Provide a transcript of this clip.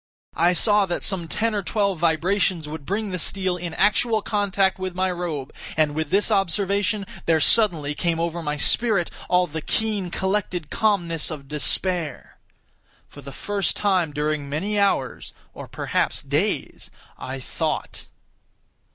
I saw that some ten or twelve vibrations would bring the steel in actual contact with my robe, and with this observation there suddenly came over my spirit all the keen, collected calmness of despair. For the first time during many hours—or perhaps days—I thought.